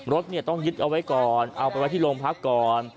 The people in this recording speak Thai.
รถต้องยึดเอาไว้ก่อนเอาไปไว้ที่โรงพักก่อน